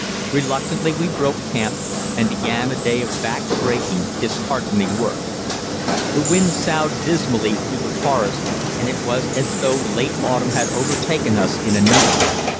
Reluctantly we broke camp, and began a day of back breaking, disheartening work. The wind soughed dismally through the forests, and it was as though late autumn had overtaken us in a night.